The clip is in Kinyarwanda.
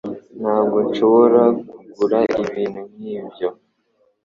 Ntabwo nshobora kugura ibintu nkibyo